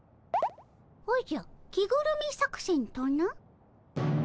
おじゃ着ぐるみ作戦とな？